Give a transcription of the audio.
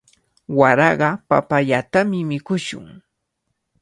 Waraqa papayatami mikushun.